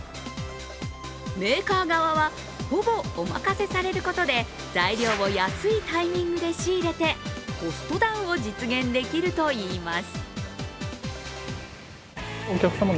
メーカー側はほぼお任せされることで材料を安いタイミングで仕入れてコストダウンを実現できるといいます。